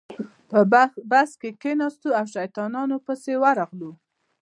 په بس کې کېناستو او شیطانانو پسې ورغلو.